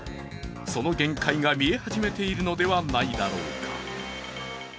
その限界が見え始めているのではないだろうか。